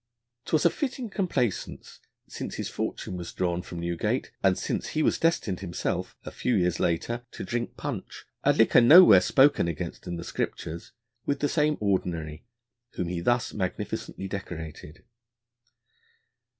'Twas a fitting complaisance, since his fortune was drawn from Newgate, and since he was destined himself, a few years later, to drink punch 'a liquor nowhere spoken against in the Scriptures' with the same Ordinary whom he thus magnificently decorated.